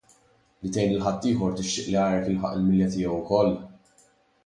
Li tgħin lil ħaddieħor u tixtieq li għajrek jilħaq il-milja tiegħu wkoll?